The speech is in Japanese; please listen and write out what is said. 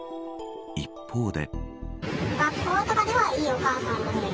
一方で。